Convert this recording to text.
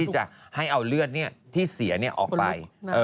จะให้เอาเลือดที่เสียออกไป